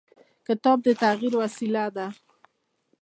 کتاب د تغیر وسیله ده.